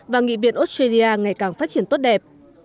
và nghị viện australia ngày càng phát triển tốt đẹp